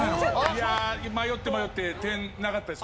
いや迷って迷って点なかったです。